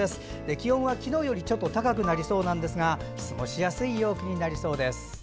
気温は昨日より高くなりそうですが過ごしやすい陽気になりそうです。